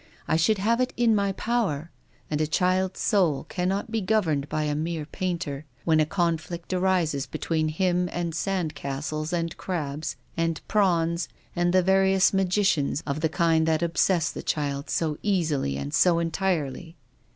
I should have it in my power. And a cliild's soul cannot be gov erned by a mere painter, when a conflict arises between him and sand castles and crabs and prawns and the various magicians of the kind that obsess the child so easily and so entirely."